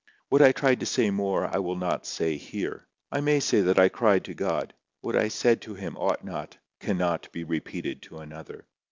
What I tried to say more I will not say here. I MAY say that I cried to God. What I said to Him ought not, cannot be repeated to another.